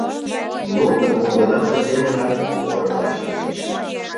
Нуно молгунамсе семынак порын вашлийыч.